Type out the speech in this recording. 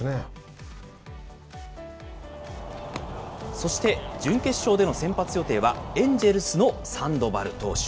そして準決勝での先発予定は、エンジェルスのサンドバル投手。